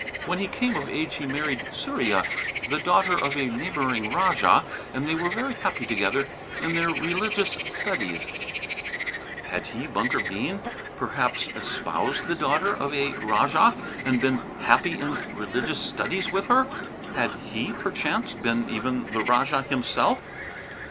When he came of age he married Surya, the daughter of a neighbouring rajah and they were very happy together in their religious studies " Had he, Bunker Bean, perhaps once espoused the daughter of a rajah, and been happy in religious studies with her? Had he, perchance, been even the rajah himself?